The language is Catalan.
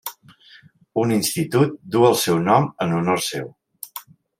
Un institut duu el seu nom en honor seu.